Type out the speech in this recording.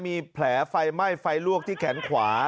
มีแผลไฟไหม้ไฟลวกที่แขนขวา